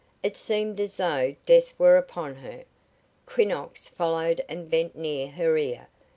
It seemed as though death were upon her. Quinnox followed and bent near her ear.